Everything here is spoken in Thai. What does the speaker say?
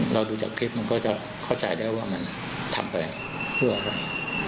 ดูจากคลิปมันก็จะเข้าใจได้ว่ามันทำไปเพื่ออะไร